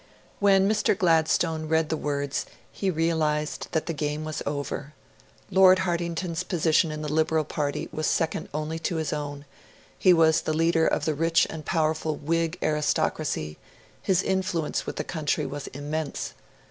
When Mr. Gladstone read the words, he realised that the game was over. Lord Hartington's position in the Liberal Party was second only to his own; he was the leader of the rich and powerful Whig aristocracy; his influence with the country was immense.